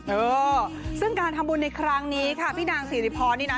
เออซึ่งการทำบุญในครั้งนี้ค่ะพี่นางสิริพรนี่นะ